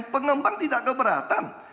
pengembang tidak keberatan